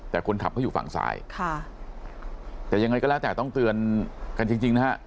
แต่คนขับเขาอยู่ฝั่งซ้ายค่ะแต่ยังไงก็แล้วแต่ต้องเตือนกันจริงจริงนะฮะ